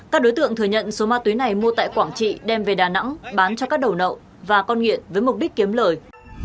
các đối tượng thừa nhận số ma túy này mua tại quảng trị đem về đà nẵng bán cho các đầu nậu và con nghiện với mục đích kiếm lời